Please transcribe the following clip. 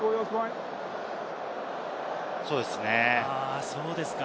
そうですね。